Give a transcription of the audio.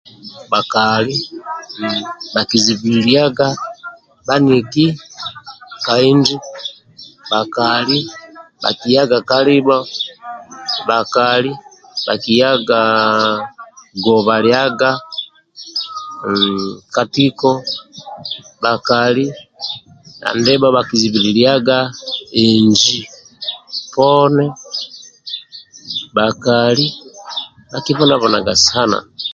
Bhakali bhakizibililiaga bhaniki ka inji bhakali bhakiyaga kalibho bhakali bhakiyaga guba liaga ka tiko bhakali andibho ndibha bhakizibililiaga inji poni bhakali bhakibonabonaga sana